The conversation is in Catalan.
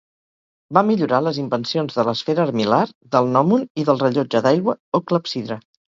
Va millorar les invencions de l'esfera armil·lar, del gnòmon, i del rellotge d'aigua o clepsidra.